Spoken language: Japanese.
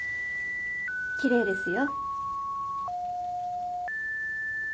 奇麗ですよ。